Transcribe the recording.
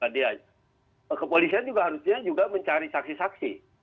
dia kepolisian juga harusnya juga mencari saksi saksi